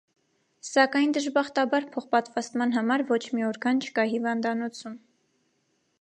Սակայն դժբախտաբար փոխպատվաստման համար ոչ մի օրգան չկա հիվանդանոցում։